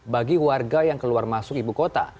bagi warga yang keluar masuk ibu kota